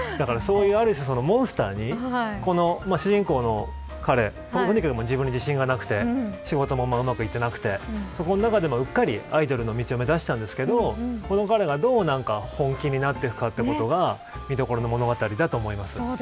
モンスターに主人公の彼も自分に自信がなくて仕事もうまくいっていなくてその中でも、うっかりアイドルへの道を目指したんですけれどこの彼が、どう本気になっていくかが見どころの物語だと思います。